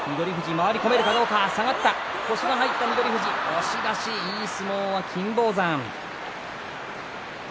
押し出しいい相撲は金峰山。